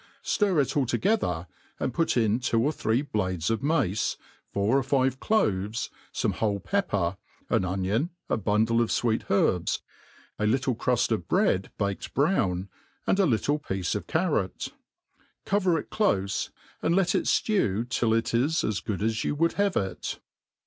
Stir it altogether, and put in two or three blades of mace, four or five cloves, fome whole pepper, an onion, a bundle of fweet 'herbs, a little cruft of bread baked brown, and a little piece of carrot. Cover it clofe, and let it ftew till it is as good as you woujd have it.